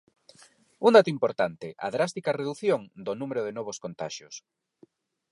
Un dato importante: a drástica redución do número de novos contaxios.